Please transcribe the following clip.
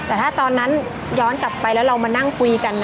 แต่ถ้าตอนนั้นย้อนกลับไปแล้วเรามานั่งคุยกัน